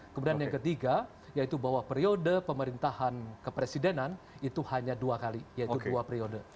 kemudian yang ketiga yaitu bahwa periode pemerintahan kepresidenan itu hanya dua kali yaitu dua periode